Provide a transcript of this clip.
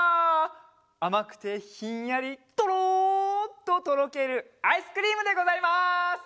あまくてひんやりとろっととろけるアイスクリームでございます！